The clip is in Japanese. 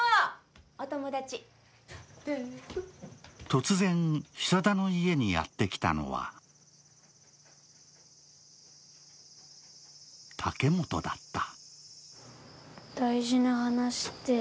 突然、久田の家にやってきたのは竹本だった。